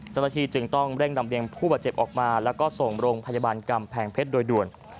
เจ้าหน้าที่จึงต้องเร่งลำเรียงผู้บาดเจ็บออกมาแล้วก็ส่งโรงพยาบาลกำแพงเพชรโดยด่วน